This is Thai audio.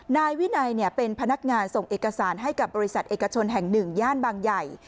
นายวินัยเป็นพนักงานส่งเอกสารให้กับบริษัทเอกชนแห่ง๑ย่านบางใหญ่